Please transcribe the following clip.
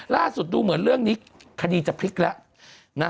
ดูเหมือนเรื่องนี้คดีจะพลิกแล้วนะ